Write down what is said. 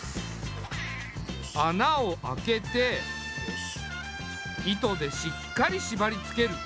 穴を開けて糸でしっかり縛りつける。